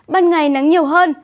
ban ngày nắng nhiều hơn